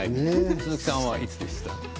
鈴木さんはいつですか？